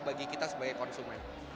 bagi kita sebagai konsumen